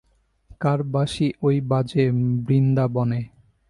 কার বাঁশি ওই বাজে বৃন্দাবনে।